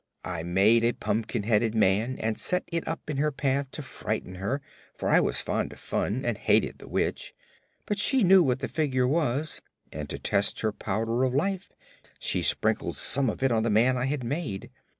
I had made a pumpkin headed man and set it up in her path to frighten her, for I was fond of fun and hated the Witch. But she knew what the figure was and to test her Powder of Life she sprinkled some of it on the man I had made.